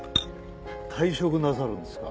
退職なさるんですか？